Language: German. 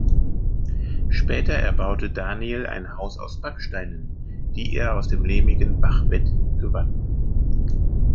Später erbaute Daniel ein Haus aus Backsteinen, die er aus dem lehmigen Bachbett gewann.